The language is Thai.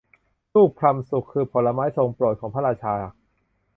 ลูกพลัมสุกคือผลไม้ทรงโปรดของพระราชา